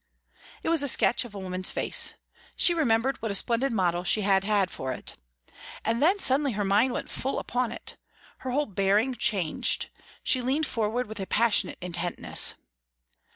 It was a sketch of a woman's face. She remembered what a splendid model she had had for it. And then suddenly her mind went full upon it; her whole bearing changed; she leaned forward with a passionate intentness.